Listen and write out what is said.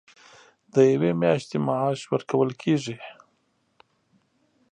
د یوې میاشتې معاش ورکول کېږي.